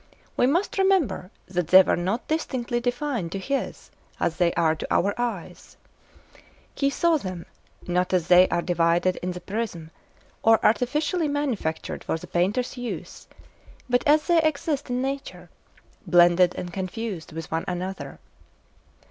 We must remember that they were not distinctly defined to his, as they are to our eyes; he saw them, not as they are divided in the prism, or artificially manufactured for the painter's use, but as they exist in nature, blended and confused with one another.